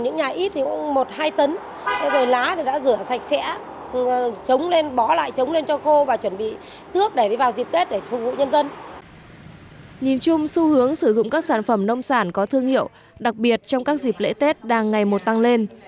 nhìn chung xu hướng sử dụng các sản phẩm nông sản có thương hiệu đặc biệt trong các dịp lễ tết đang ngày một tăng lên